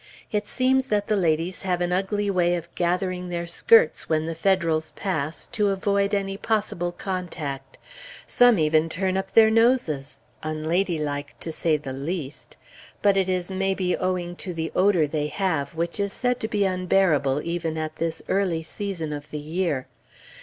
It seems that the ladies have an ugly way of gathering their skirts when the Federals pass, to avoid any possible contact. Some even turn up their noses. Unladylike, to say the least. But it is, maybe, owing to the odor they have, which is said to be unbearable even at this early season of the year.